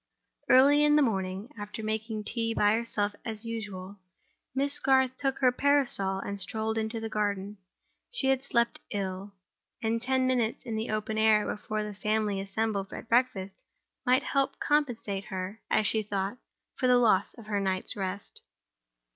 Early in the morning, after making tea by herself as usual, Miss Garth took her parasol and strolled into the garden. She had slept ill; and ten minutes in the open air before the family assembled at breakfast might help to compensate her, as she thought, for the loss of her night's rest.